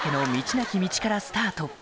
なき道からスタート